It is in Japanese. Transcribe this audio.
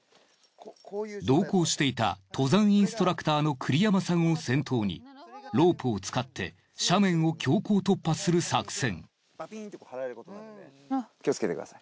同行していた登山インストラクターの栗山さんを先頭にロープを使って斜面を強行突破する作戦。